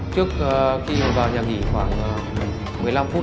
trước khi vào nhà nghỉ khoảng một mươi năm phút thì có một cuộc gọi cuối cùng cho đối tượng thùy